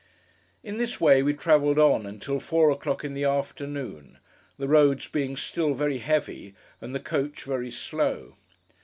In this way we travelled on, until four o'clock in the afternoon; the roads being still very heavy, and the coach very slow.